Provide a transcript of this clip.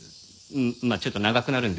まあちょっと長くなるんで。